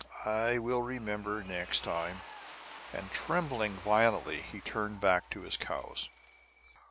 I will remember next time." And trembling violently he turned back to his cows.